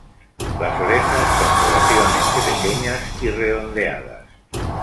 Las orejas son relativamente pequeñas y redondeadas.